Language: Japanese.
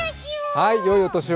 よいお年を。